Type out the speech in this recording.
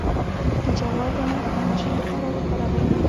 د جوار دانه د انرژي لپاره وکاروئ